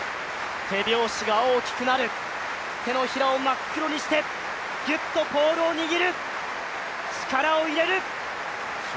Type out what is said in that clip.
手拍子が大きくなる、手のひらを真っ黒にしてギュッとポールを握る。